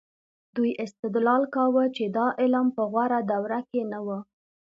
دوی استدلال کاوه چې دا علم په غوره دوره کې نه و.